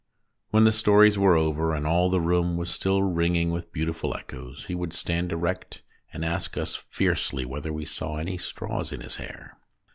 When the stories were over, and all the room was still ringing with beautiful echoes, he would stand erect and ask us fiercely whether we saw any straws in his hair.